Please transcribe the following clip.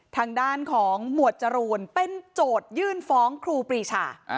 ทางด้านของหมวดจรูนเป็นโจทยื่นฟ้องครูปรีชา